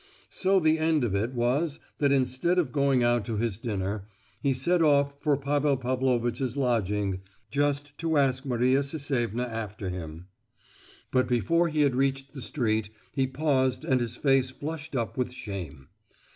So the end of it was that instead of going out to his dinner, he set off for Pavel Pavlovitch's lodging, "just to ask Maria Sisevna after him." But before he had reached the street he paused and his face flushed up with shame.